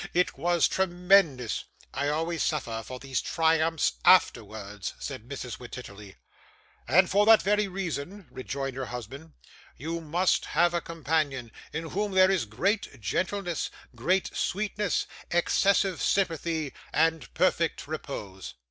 It was tremendous.' 'I always suffer for these triumphs afterwards,' said Mrs. Wititterly. 'And for that very reason,' rejoined her husband, 'you must have a companion, in whom there is great gentleness, great sweetness, excessive sympathy, and perfect repose.